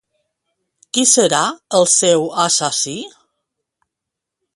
Qui serà el seu assassí?